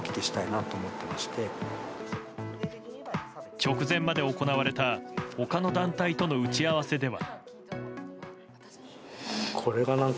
直前まで行われた他の団体との打ち合わせでは。